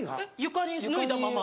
床に脱いだまま。